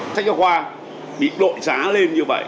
sách giao khoa bị đội trá lên như vậy